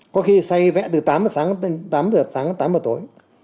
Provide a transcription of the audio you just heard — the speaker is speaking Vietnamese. có khi xây vẽ từ tám sáng đến tám tối